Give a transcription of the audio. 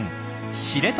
知床